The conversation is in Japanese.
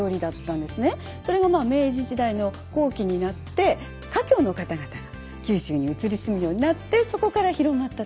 それが明治時代の後期になって華僑の方々が九州に移り住むようになってそこから広まったと。